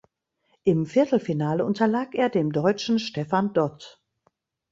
Im Viertelfinale unterlag er dem Deutschen Stefan Dott.